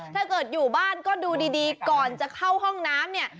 ถ้าเกิดอยู่บ้านก็ดูดีก่อนจะเข้าห้องน้ำเนี่ย